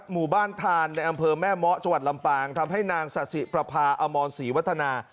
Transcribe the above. หมู่บ้านทานในอำเภอแม่เมาะจังหวัดลำปางทำให้นางสะสิประพาอมรศรีวัฒนา